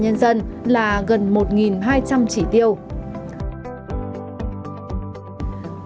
trường công an nhân dân là gần một hai trăm linh trì tiêu